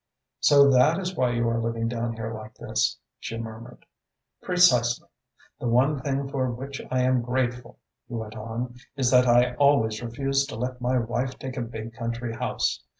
"So that is why you are living down here like this?" she murmured. "Precisely! The one thing for which I am grateful," he went on, "is that I always refused to let my wife take a big country house.